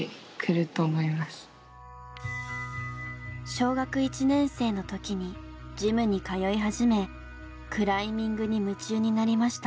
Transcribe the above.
小学１年生の時にジムに通い始めクライミングに夢中になりました。